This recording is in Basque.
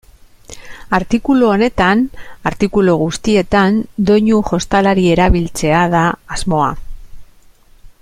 Artikulu honetan, artikulu guztietan, doinu jostalari erabiltzea da asmoa.